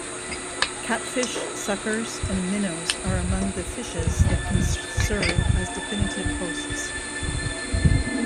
Catfish, suckers, and minnows are among the fishes that can serve as definitive hosts.